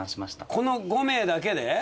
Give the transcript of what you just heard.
この５名だけで？